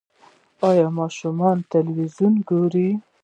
ایا ماشومان مو تلویزیون ګوري؟